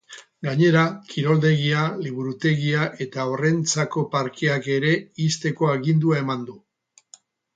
Gainera, kiroldegia, liburutegia eta haurrentzako parkeak ere ixteko agindua eman du.